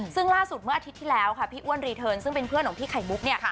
ซึ่งล่าสุดเมื่ออาทิตย์ที่แล้วค่ะพี่อ้วนรีเทิร์นซึ่งเป็นเพื่อนของพี่ไข่มุกเนี่ย